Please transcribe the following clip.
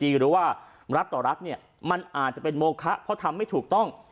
หรือว่ารัฐต่อรัฐเนี่ยมันอาจจะเป็นโมคะเพราะทำไม่ถูกต้อง